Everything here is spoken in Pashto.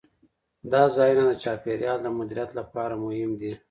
دا ځایونه د چاپیریال د مدیریت لپاره مهم دي.